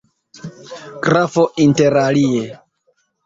Grafo, interalie.